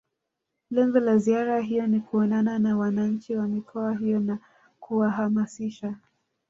Lengo la ziara hiyo ni kuonana na wananchi wa mikoa hiyo na kuwahamasisha